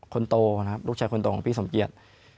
คนโตนะครับลูกชายคนโตของพี่สมเกียจ